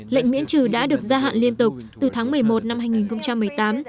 lệnh miễn trừ đã được gia hạn liên tục từ tháng một mươi một năm hai nghìn một mươi tám